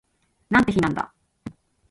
なんて日なんだ